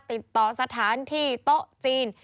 ติดต่อสถานที่โต๊ะจีน